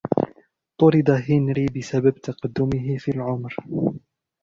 طُرد هنري بسبب تقدمه في العمر.